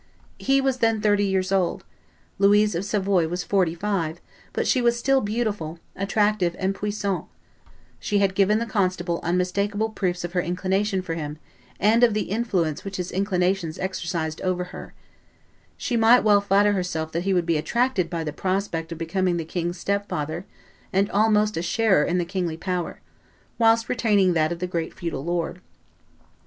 He was then thirty years old; Louise of Savoy was forty five, but she was still beautiful, attractive, and puissant; she had given the constable unmistakable proofs of her inclination for him and of the influence which his inclinations exercised over her: she might well flatter herself that he would be attracted by the prospect of becoming the king's step father and almost a sharer in the kingly power, whilst retaining that of the great feudal lord.